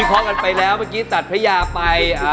เพราะกันไปแล้วเมื่อกี้ตัดพระยาไป